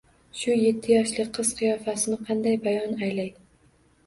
Shu yetti yoshli qiz qiyofasini qanday bayon aylay?!